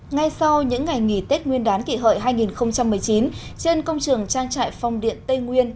ngay sau những ngày nghỉ tết nguyên đán kỷ hợi hai nghìn một mươi chín trên công trường trang trại phong điện tây nguyên